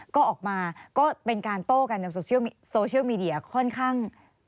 ก็ออกมาก็เป็นการโต้กันในโซเชียลมีเดียค่อนข้าง